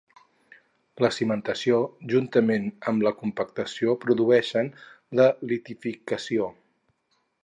La cimentació, juntament amb la compactació, produeixen la litificació.